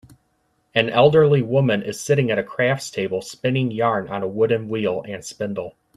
An elderly woman is sitting at a crafts table spinning yarn on a wooden wheel and spindle.